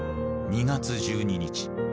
２月１２日。